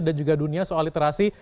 dan juga dunia soal literasi